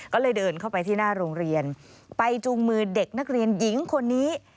ก็เลยเดินเข้าไปที่หน้าโรงเรียนไปจูงมือเด็กนักเรียนหญิงคนนี้